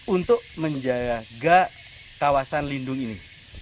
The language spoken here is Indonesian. untuk menjaga kawasan lindung ini